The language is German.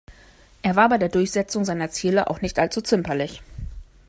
Er war bei der Durchsetzung seiner Ziele auch nicht allzu zimperlich.